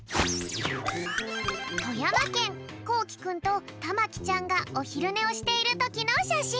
とやまけんこうきくんとたまきちゃんがおひるねをしているときのしゃしん。